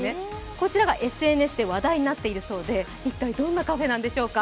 こちらがＳＮＳで話題になっているそうで一体どんなカフェなんでしょうか。